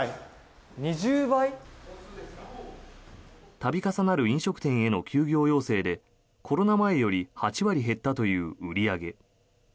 度重なる飲食店への休業要請でコロナ前より８割減ったという売り上げ。